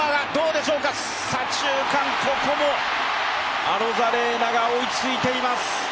左中間、ここもアロザレーナが追いついています。